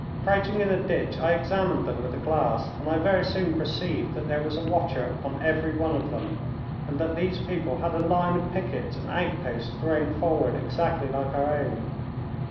Crouching in a ditch I examined them with a glass, and I very soon perceived that there was a watcher upon every one of them, and that these people had a line of pickets and outposts thrown forward exactly like our own.